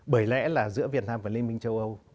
bởi lẽ là giữa việt nam và liên minh châu âu